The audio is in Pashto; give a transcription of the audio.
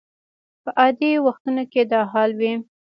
په عادي وختونو کې دا حال وي.